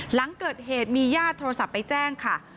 หลังเกิดเหตุมีญาติโทรศัพท์ไปแจ้งค่ะ